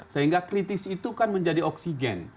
sehingga kritis itu kan menjadi oksigen